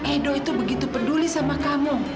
edo itu begitu peduli sama kamu